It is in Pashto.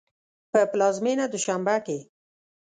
په پلازمېنه دوشنبه کې